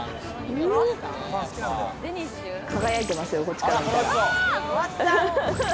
輝いてますよ、こっちから見たら。